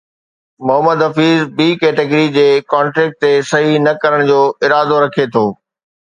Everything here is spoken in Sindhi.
محمد حفيظ بي ڪيٽيگري جي ڪانٽريڪٽ تي صحيح نه ڪرڻ جو ارادو رکي ٿو